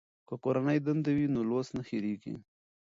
که کورنۍ دنده وي نو لوست نه هېریږي.